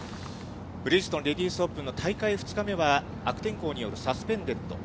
ブリヂストンレディスオープンの大会２日目は、悪天候によるサスペンデッド。